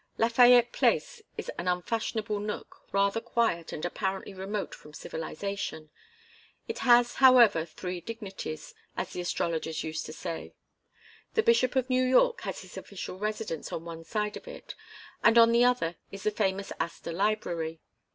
Lafayette Place is an unfashionable nook, rather quiet and apparently remote from civilization. It has, however, three dignities, as the astrologers used to say. The Bishop of New York has his official residence on one side of it, and on the other is the famous Astor Library.